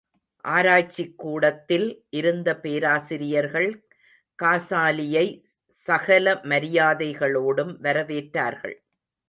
ஆராய்ச்சிக் கூடத்தில் இருந்த பேராசிரியர்கள் காசாலியை சகல மரியாதைகளோடும் வரவேற்றார்கள்.